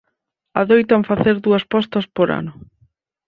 Adoitan facer dúas postas por ano.